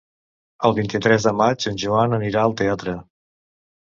El vint-i-tres de maig en Joan anirà al teatre.